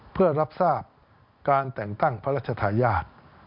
เพื่อรับทราบการแต่งตั้งพระราชทายาท